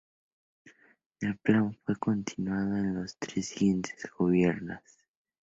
El plan fue continuado en los tres siguientes gobiernos.